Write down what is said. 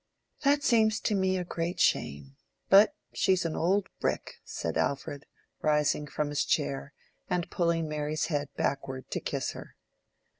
"That seems to me a great shame. But she's an old brick," said Alfred, rising from his chair, and pulling Mary's head backward to kiss her.